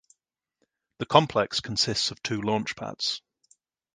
The complex consists of two launch pads.